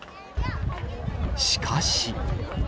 しかし。